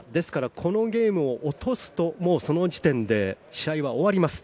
このゲームを落とすとその時点で試合は終わります。